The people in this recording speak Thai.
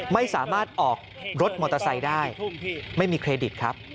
ไม่สามารถออกรถมอเตอร์ไซค์ได้ไม่มีเครดิตครับ